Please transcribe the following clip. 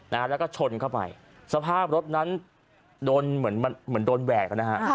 แล้วก็ชนเข้าไปสภาพรถนั้นเหมือนโดนแหวกนะฮะ